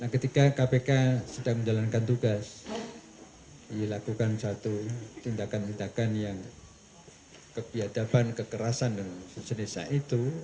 ketika kpk sedang menjalankan tugas dilakukan satu tindakan tindakan yang kebiadaban kekerasan dan sejenisnya itu